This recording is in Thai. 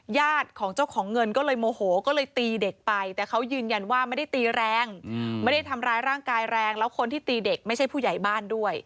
ญาติของเจ้าของเงินก็เลยโมโหก็เลยตีเด็กไปแต่เขายืนยันว่าไม่ได้ตีแรงไม่ได้ทำร้ายร่างกายแรงแล้วคนที่ตีเด็กไม่ใช่ผู้ใหญ่บ้านด้วย